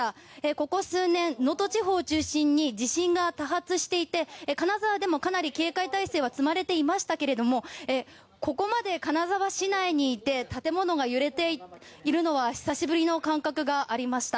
ここ数年、能登地方を中心に地震が多発していて金沢でも、かなり警戒態勢は積まれていましたけれどもここまで、金沢市内にいて建物が揺れているのは久しぶりの感覚がありました。